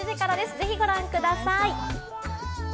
ぜひ、ご覧ください。